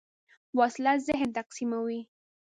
وسله ذهن تقسیموي